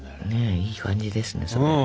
いい感じですね。